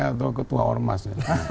atau ketua ormas